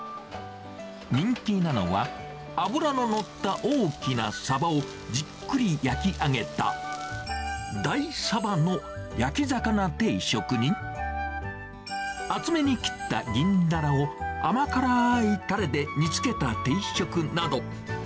人気なのは、脂が乗った大きなサバをじっくり焼き上げた、大サバの焼き魚定食に、厚めに切ったギンダラを甘辛ーいたれで煮付けた定食など。